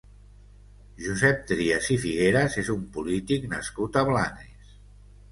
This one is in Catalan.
Josep Trias i Figueras és un polític nascut a Blanes.